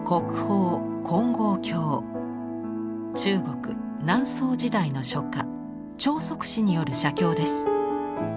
中国南宋時代の書家張即之による写経です。